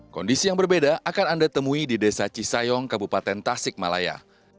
kondisi yang berbeda akan anda temui di desa cisayong kabupaten tasik malaya